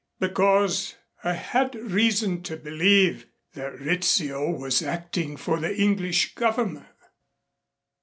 "Because I had reason to believe that Rizzio was acting for the English Government."